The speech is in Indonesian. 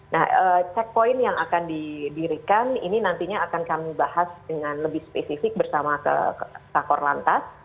nah checkpoint yang akan didirikan ini nantinya akan kami bahas dengan lebih spesifik bersama ke kakor lantas